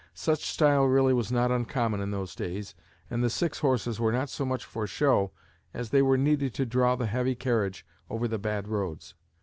Such style really was not uncommon in those days and the six horses were not so much for show as they were needed to draw the heavy carriage over the bad roads.